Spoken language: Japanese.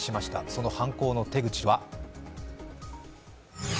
その犯行の手口とは。